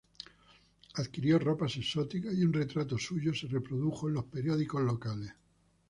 Adquirió ropas exóticas y un retrato suyo se reprodujo en los periódicos locales.